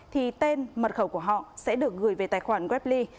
thì tên mật khẩu của họ sẽ được gửi về tài khoản webly